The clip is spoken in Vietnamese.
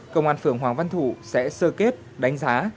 công an phường hoàng văn thụ sẽ sơ kết đánh giá